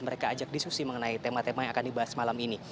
mereka ajak diskusi mengenai tema tema yang akan dibahas malam ini